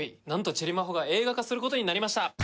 なんと『チェリまほ』が映画化することになりました。